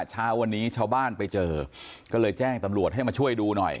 เช้าวันนี้ชาวบ้านไปเจอก็เลยแจ้งตำรวจให้มาช่วยดูหน่อย